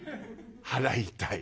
「払いたい」。